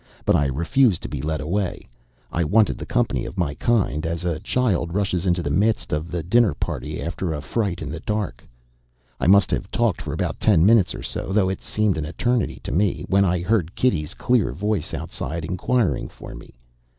But I refused to be led away. I wanted the company of my kind as a child rushes into the midst of the dinner party after a fright in the dark. I must have talked for about ten minutes or so, though it seemed an eternity to me, when I heard Kitty's clear voice outside inquiring for me.